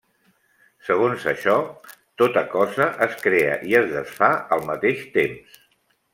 Segons això, tota cosa es crea i es desfà al mateix temps.